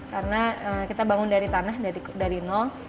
karena kita bangun dari tanah dari nol